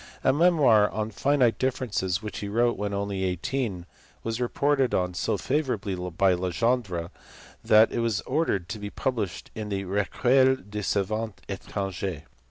A memoir on finite differences which he wrote when only eighteen was reported on so favourably by Legendre that it was ordered to be published in the Recueil des savants etran gers.